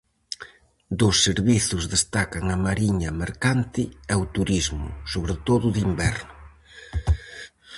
Dos servizos destacan a mariña mercante e o turismo, sobre todo de inverno.